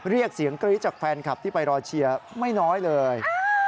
เรียกเสียงกรี๊ดจากแฟนคลับที่ไปรอเชียร์ไม่น้อยเลย